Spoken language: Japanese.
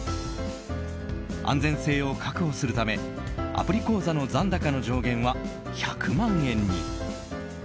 安全性を確保するためアプリ口座の残高の上限は１００万円に。